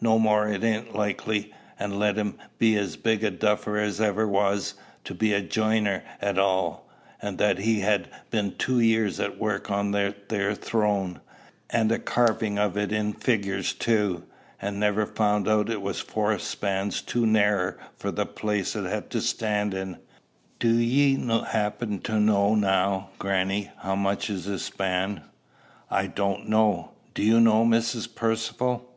No more it ain't likely and let him be as big a duffer as ever was, to be a jiner at all that he'd ha' been two year at work on that there throne an' a carvin' of it in figures too! and never found out it was four spans too narrer for the place it had to stand in. Do ye 'appen to know now, grannie, how much is a span?" "I don't know. Do you know, Mrs. Percivale?"